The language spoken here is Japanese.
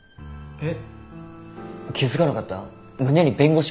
えっ？